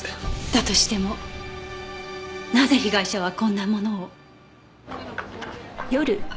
だとしてもなぜ被害者はこんなものを？